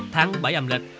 tháng bảy âm lịch